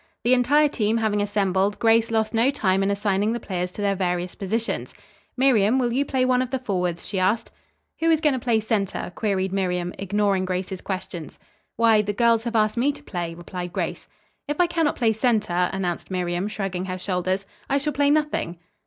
The entire team having assembled, Grace lost no time in assigning the players to their various positions. "Miriam will you play one of the forwards?" she asked. "Who is going to play center?" queried Miriam ignoring Grace's question. "Why the girls have asked me to play," replied Grace. "If I cannot play center," announced Miriam shrugging her shoulders, "I shall play nothing."